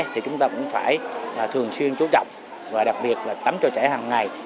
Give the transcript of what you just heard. thì chúng ta cũng phải thường xuyên chú trọng và đặc biệt là tắm cho trẻ hằng ngày